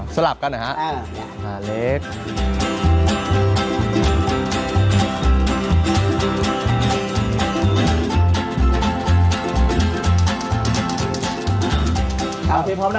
สลับกันเหรอฮะ